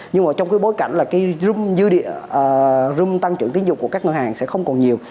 nhưng mà trong cái bối cảnh là cái rung tăng trưởng tín dụng của các ngân hàng sẽ không còn nhiều